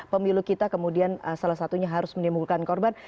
pemilu kita kemudian salah satunya harus menimbulkan korban